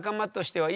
はい。